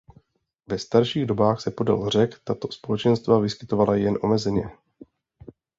Ve starších dobách se podél řek tato společenstva vyskytovala jen omezeně.